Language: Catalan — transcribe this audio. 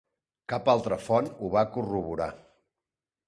Cap altra font ho va corroborar.